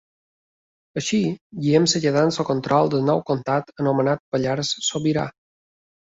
Així Guillem es quedà amb el control del nou comtat anomenat Pallars Sobirà.